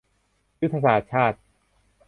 ยุทธศาสตร์ชาติ